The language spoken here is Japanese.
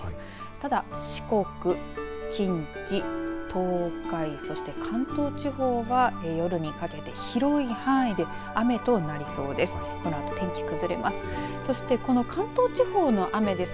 ただ、四国近畿、東海そして関東地方は夜にかけて広い範囲で雨となりそうです。